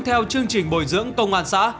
theo chương trình bồi dưỡng công an xã